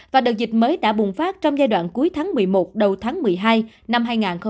và đợt dịch mới đã bùng phát trong giai đoạn cuối tháng một mươi một đầu tháng một mươi hai năm hai nghìn hai mươi